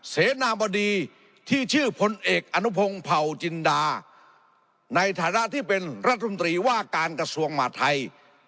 เสนาบดีที่ชื่อพลเอกอนุพงศ์เผาจินดาในฐานะที่เป็นรัฐมนตรีว่าการกระทรวงหมาไทย